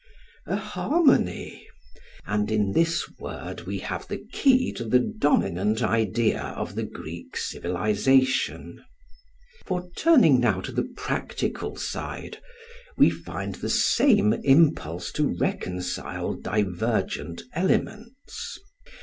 A harmony! and in this word we have the key to the dominant idea of the Greek civilisation. For, turning now to the practical side, we find the same impulse to reconcile divergent elements.